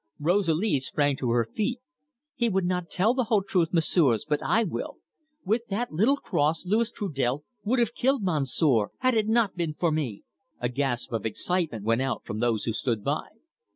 Rosalie sprang to her feet. "He will not tell the whole truth, Messieurs, but I will. With that little cross Louis Trudel would have killed Monsieur, had it not been for me." A gasp of excitement went out from those who stood by.